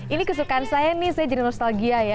ini kesukaan saya nih saya jadi nostalgia ya